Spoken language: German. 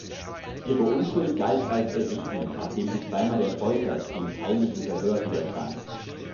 Ihre Unschuld galt als erwiesen, nachdem sie zweimal der Folter, dem "peinlichen Verhör", widerstand.